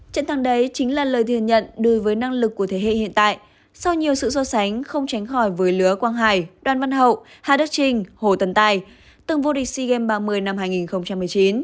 trận thắng đấy chính là lời thừa nhận đối với năng lực của thế hệ hiện tại sau nhiều sự so sánh không tránh khỏi với lứa quang hải đoàn văn hậu hà đức trinh hồ tần tài từng vô địch sea games ba mươi năm hai nghìn một mươi chín